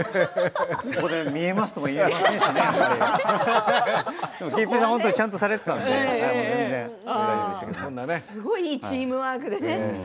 そこで、見えますとも言えませんしすごくいいチームワークでね。